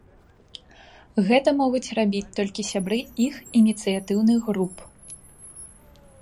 Гэта могуць рабіць толькі сябры іх ініцыятыўных груп.